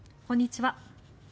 こんにちは。